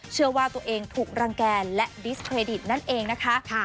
เชื่อว่าตัวเองถูกรังแก่และดิสเครดิตนั่นเองนะคะ